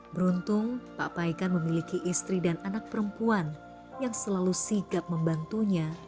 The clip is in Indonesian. beruntung pak paikan memiliki istri dan anak perempuan yang selalu sigap membantunya